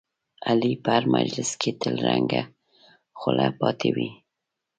علي په هر مجلس کې تل ړنګه خوله پاتې وي.